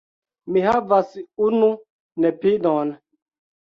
Mi havas unu nepinon.